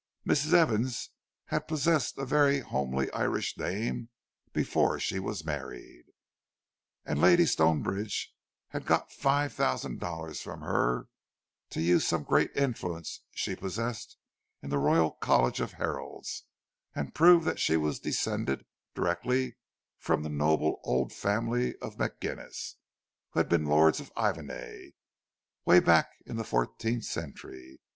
Mrs. Evans had possessed a very homely Irish name before she was married; and Lady Stonebridge had got five thousand dollars from her to use some great influence she possessed in the Royal College of Heralds, and prove that she was descended directly from the noble old family of Magennis, who had been the lords of Iveagh, way back in the fourteenth century.